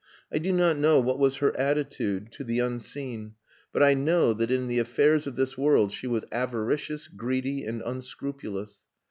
I do not know what was her attitude to the unseen, but I know that in the affairs of this world she was avaricious, greedy, and unscrupulous.